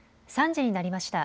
３時になりました。